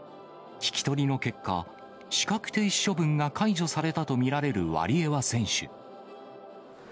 聞き取りの結果、資格停止処分が解除されたと見られるワリエワ選手。